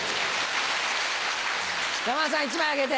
山田さん１枚あげて。